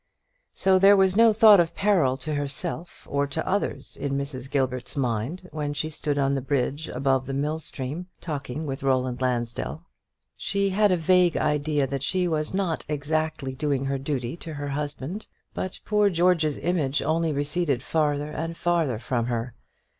So there was no thought of peril to herself or to others in Mrs. Gilbert's mind when she stood on the bridge above the mill stream talking with Roland Lansdell. She had a vague idea that she was not exactly doing her duty to her husband; but poor George's image only receded farther and farther from her.